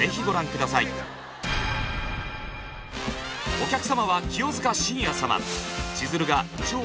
お客様は清塚信也様。